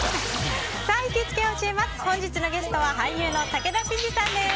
本日のゲストは俳優の武田真治さんです。